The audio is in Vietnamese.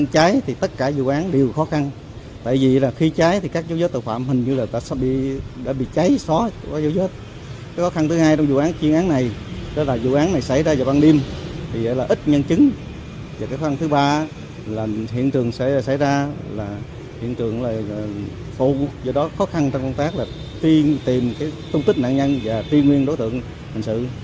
hãy đăng ký kênh để ủng hộ kênh của mình nhé